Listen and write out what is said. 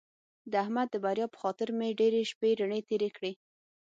د احمد د بریا په خطر مې ډېرې شپې رڼې تېرې کړې.